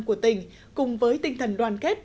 của tỉnh cùng với tinh thần đoàn kết